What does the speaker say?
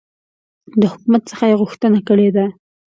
د حکومت څخه یي غوښتنه کړې ده